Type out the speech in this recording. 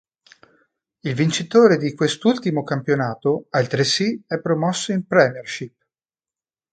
Il vincitore di quest'ultimo campionato, altresì, è promosso in Premiership.